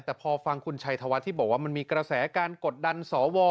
แต่พอฟังคุณชัยธวัฒน์ที่บอกว่ามันมีกระแสการกดดันสว